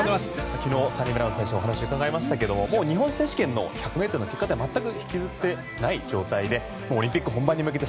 昨日、サニブラウン選手にお話伺いましたけどもう日本選手権の１００ｍの結果は全く引きずっていない状況でオリンピック本番に向けて